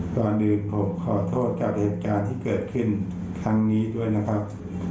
ก่อนอื่นผมขอโทษกับเหตุการณ์ที่เกิดขึ้นครั้งนี้ด้วยนะครับ